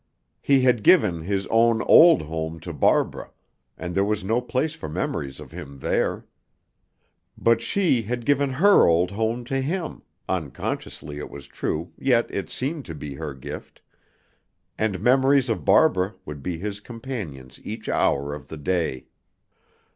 He had given his own old home to Barbara, and there was no place for memories of him there. But she had given her old home to him (unconsciously, it was true; yet it seemed to be her gift) and memories of Barbara would be his companions each hour of the day.